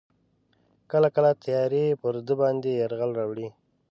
کله کله تیارې پر ده باندې یرغل راوړي.